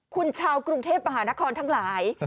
คุณชาวกรุงเทพมหานครทั้งหลาย